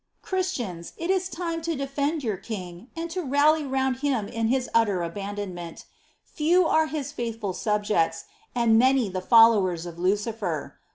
2. Christians, it is time to defend your King and to rally round Him in His utter abandonment : few are His faithful subjects, and many the followers of Lucifer.